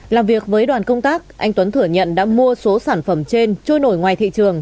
làm việc với đoàn công tác anh tuấn thừa nhận đã mua số sản phẩm trên trôi nổi ngoài thị trường